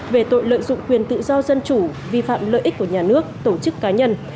về tội lợi dụng quyền tự do dân chủ vi phạm lợi ích của nhà nước tổ chức cá nhân